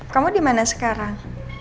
kamu dimana sekarang